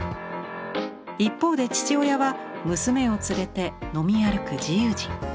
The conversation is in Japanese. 一方で父親は娘を連れて飲み歩く自由人。